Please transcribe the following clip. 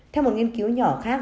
theo một nghiên cứu nhỏ khác